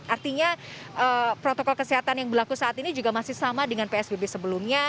artinya protokol kesehatan yang berlaku saat ini juga masih sama dengan psbb sebelumnya